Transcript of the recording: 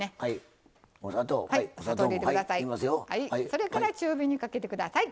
それから中火にかけてください。